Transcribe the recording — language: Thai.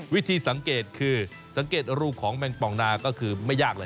วิธีสังเกตคือสังเกตรูของแมงปองนาก็คือไม่ยากเลย